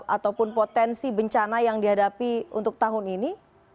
ataupun potensi bencana yang dihadapi untuk tahun ini